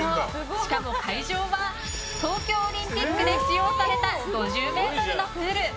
しかも会場は東京オリンピックで使用された５０ｍのプール。